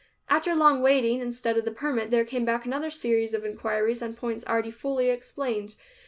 After long waiting, instead of the permit there came back another series of inquiries on points already fully explained.